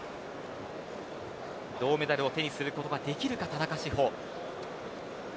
銅メダルを手にすることができるか田中志歩です。